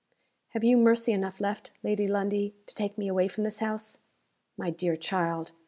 "Have you mercy enough left, Lady Lundie, to take me away from this house?" "My dear child!